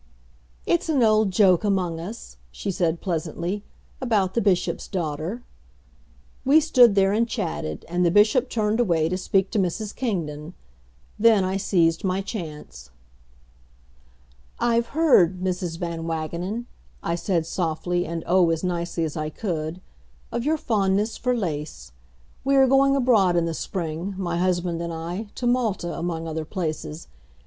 "It's an old joke among us," she said pleasantly, "about the Bishop's daughter." We stood there and chatted, and the Bishop turned away to speak to Mrs. Kingdon. Then I seized my chance. "I've heard, Mrs. Van Wagenen," I said softly and oh, as nicely as I could, "of your fondness for lace. We are going abroad in the spring, my husband and I, to Malta, among other places.